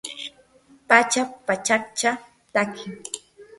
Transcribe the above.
pachak pachakcha tatki